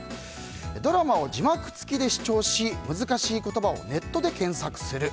ドラマを字幕付きで視聴し難しい言葉をネットで検索する。